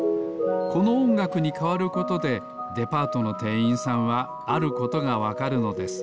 このおんがくにかわることでデパートのてんいんさんはあることがわかるのです。